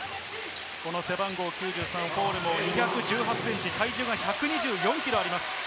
背番号９３、フォールも２１８センチ、体重１２４キロあります。